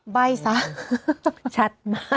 ใบ้ซะชัดมาก